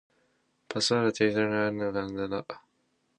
パスワードは定期的に変えるのが安全だ。